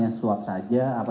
itu sudah termasuk notifikasi